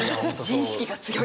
自意識が強い。